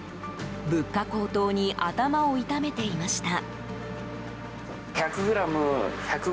物価高騰に頭を痛めていました。